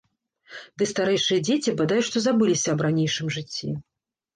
Ды старэйшыя дзеці бадай што забыліся аб ранейшым жыцці.